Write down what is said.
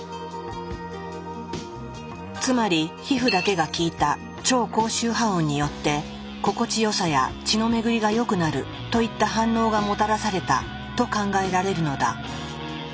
つまり皮膚だけが聞いた超高周波音によって「心地よさ」や「血のめぐりが良くなる」といった反応がもたらされたと考えられるのだ。